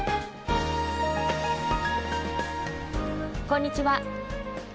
こんにちは。